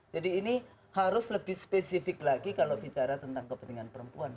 jadi ini harus lebih spesifik lagi kalau bicara tentang kepentingan perempuan